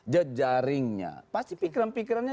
jejaringnya pasti pikiran pikirannya